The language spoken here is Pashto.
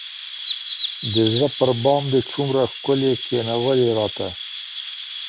د زړه پر بام دي څومره ښكلي كښېـنولي راته